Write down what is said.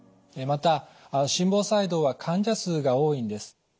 また心房細動は患者数が多いんです。